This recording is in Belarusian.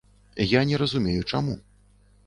Я не разумею чаму.